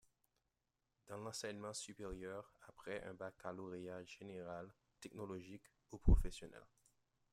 Dans l'enseignement supérieur, après un baccalauréat général, technologique ou professionnel.